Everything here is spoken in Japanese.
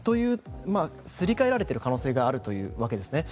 すり替えられている可能性があるということですね。